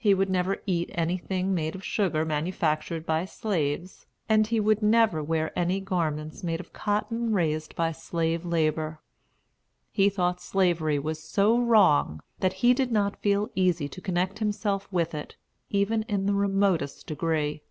He would never eat anything made of sugar manufactured by slaves, and he never would wear any garments made of cotton raised by slave labor. He thought Slavery was so wrong, that he did not feel easy to connect himself with it, even in the remotest degree.